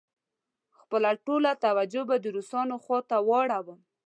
خپله ټوله توجه به د روسانو خواته واړوم.